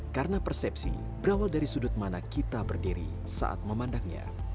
karena persepsi berawal dari sudut mana kita berdiri saat memandangnya